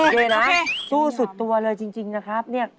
โอเคนะสู้สุดตัวเลยจริงนะครับ